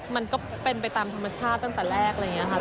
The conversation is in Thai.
มันก็เป็นไปตามธรรมชาติตั้งแต่แรกอะไรอย่างนี้ค่ะ